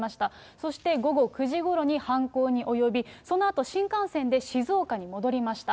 そして午後９時ごろに犯行に及び、そのあと新幹線で静岡に戻りました。